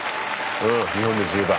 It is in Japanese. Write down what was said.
うん日本で１０番。